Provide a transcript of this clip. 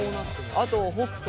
あと北斗。